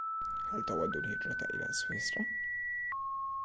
هل تود الهجرة الى سويسرا؟